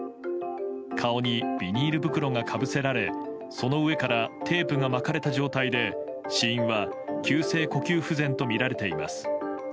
顔にビニール袋がかぶせられその上からテープが巻かれた状態で死因は急性呼吸不全とみられています。